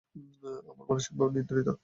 আমরা মানসিকভাবে নিয়ন্ত্রিত।